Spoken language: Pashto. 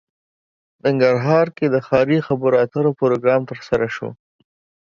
ننګرهار کې د ښاري خبرو اترو پروګرام ترسره شو